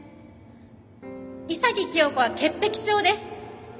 潔清子は潔癖症です。